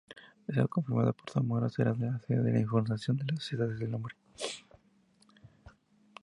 Se ha confirmado que Zamora será sede de la fundación Las Edades del Hombre.